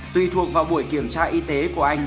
tùy thuộc vào buổi kiểm tra y tế của anh